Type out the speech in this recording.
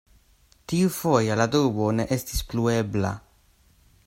Tiufoje la dubo ne estis plu ebla.